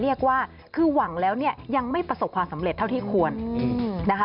เรียกว่าคือหวังแล้วเนี่ยยังไม่ประสบความสำเร็จเท่าที่ควรนะคะ